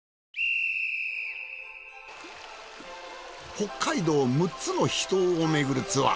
北海道６つの秘湯を巡るツアー。